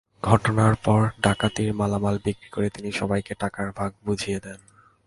ঘটনার পর ডাকাতির মালামাল বিক্রি করে তিনি সবাইকে টাকার ভাগ বুঝিয়ে দেন।